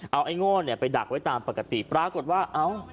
เอาไอ้โง่เนี่ยไปดักไว้ตามปกติปรากฏว่าเอ้า